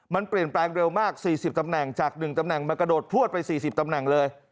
มันเปลี่ยนแปลงเร็วมาก๔๐ตำแหน่งจาก๑ตำแหน่งมากระโดดพวดไป๔๐ตำแหน่งเลย